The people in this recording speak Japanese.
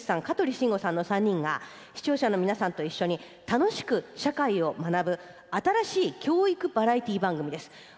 香取慎吾さんの３人が視聴者の皆さんと一緒に楽しく社会を学ぶ新しい教育バラエティー番組です。